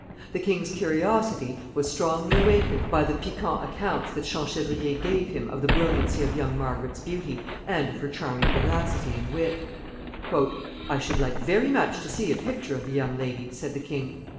The king's curiosity was strongly awakened by the piquant accounts that Champchevrier gave him of the brilliancy of young Margaret's beauty, and of her charming vivacity and wit. [Sidenote: The king wishes for a picture.] "I should like very much to see a picture of the young lady," said the king.